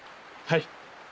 はい。